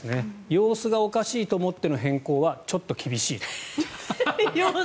様子がおかしいと思っての変更はちょっと厳しいと。